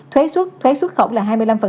thuế xuất khẩu là hai mươi năm